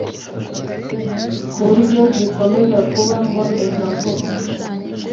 ku buryo zikomeza kuba mbonezamvugo.